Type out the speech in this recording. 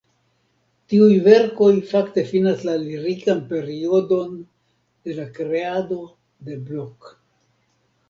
Tiuj verkoj fakte finas la lirikan periodon de la kreado de Blok.